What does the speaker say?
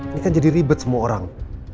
ini kan jadi ribet semua orang